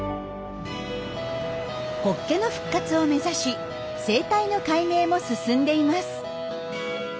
ホッケの復活を目指し生態の解明も進んでいます。